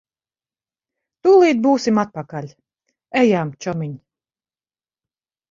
Tūlīt būsim atpakaļ. Ejam, čomiņ.